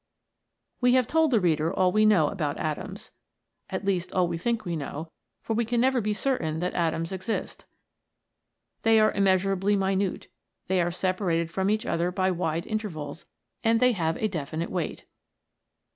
We have told the reader all we know about atoms (at least all we think we know, for we can never be certain that atoms exist). They are im measurably mimite ; they are separated from each other by wide intervals, and they have a definite weight.